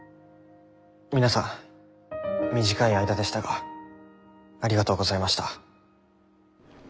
皆さん短い間でしたがありがとうございました。